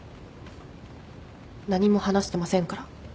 何も話してませんから。